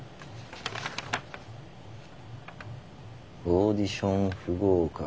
「オーディション不合格」。